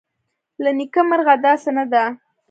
له نیکه مرغه داسې نه ده